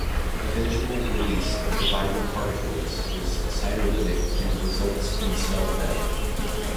Eventual release of the viral particles is cytolytic and results in cell death.